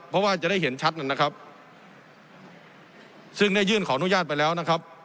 เพราะว่าจะได้เห็นชัดนะครับซึ่งได้ยื่นขออนุญาตไปแล้วนะครับ